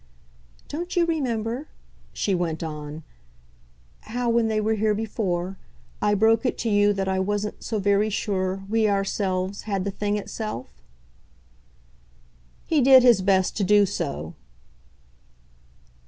"Don't you remember," she went on, "how, when they were here before, I broke it to you that I wasn't so very sure we, ourselves had the thing itself?" He did his best to do so.